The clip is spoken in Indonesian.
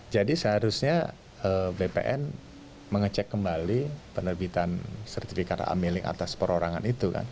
jadi seharusnya bpn mengecek kembali penerbitan sertifikat amiling atas perorangan itu